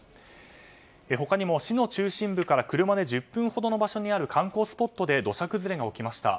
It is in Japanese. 他にも市の中心部から車で１０分ほどの場所にある観光スポットで土砂崩れが起きました。